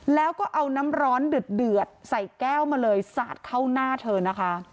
แล้วก็เอาน้ำร้อนเดือดใส่แก้วมาเลยสาดเข้าหน้าเธอนะคะ